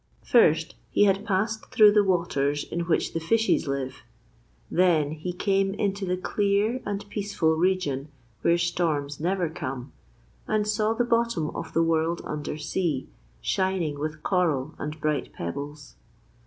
First he had passed through the waters in which the fishes live; then he came into the clear and peaceful region where storms never come, and saw the bottom of the World under Sea shining with coral and bright pebbles.